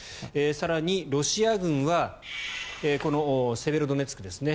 更に、ロシア軍はこのセベロドネツクですね